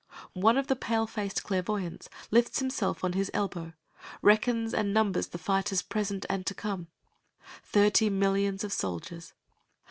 One of the pale faced clairvoyants lifts himself on his elbow, reckons and numbers the fighters present and to come thirty millions of soldiers.